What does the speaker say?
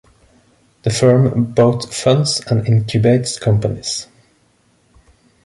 The firm both funds and incubates companies.